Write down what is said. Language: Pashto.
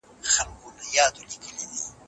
پوهه د حق لاره ښيي.